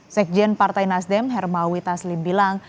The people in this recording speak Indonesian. sekjen partai nasdem hermawi taslim bilang